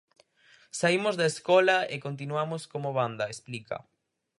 Saímos da escola e continuamos como banda, explica.